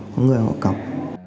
có người họ cọc